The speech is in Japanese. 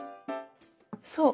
そう。